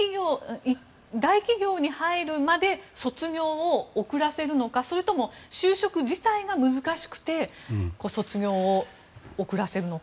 大企業に入るまで卒業を遅らせるのかそれとも、就職自体が難しくて卒業を遅らせるのか。